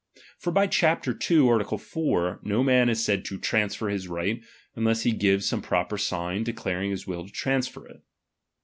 For by chap. ii. art. 4, no man is said to tranter his right, unless he give some projier sign, declaring his will to transfer it.